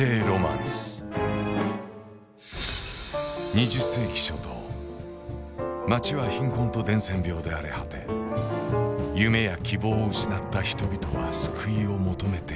２０世紀初頭街は貧困と伝染病で荒れ果て夢や希望を失った人々は救いを求めていた。